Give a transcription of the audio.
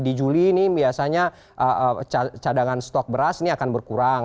di juli ini biasanya cadangan stok beras ini akan berkurang